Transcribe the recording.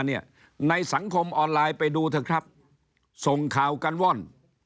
ในสังคมออนไลน์ไปดูเถอะครับส่งข่าวกันว่อน